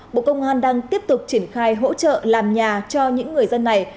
bộ công an đang tiếp tục triển khai hỗ trợ làm nhà cho những người dân này